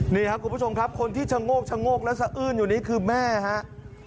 นี่ครับคุณผู้ชมครับคนที่ชะโงกชะโงกและสะอื้นอยู่นี่คือแม่ครับ